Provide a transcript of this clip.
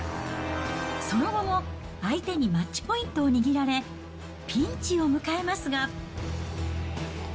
その後も相手にマッチポイントを握られ、ピンチを迎えますが。